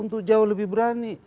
untuk jauh lebih berani